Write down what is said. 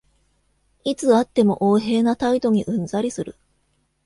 いつ会っても横柄な態度にうんざりする